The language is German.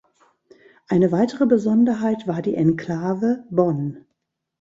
Eine weitere Besonderheit war die Enklave Bonn.